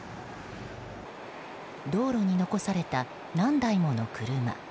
道路に残された何台もの車。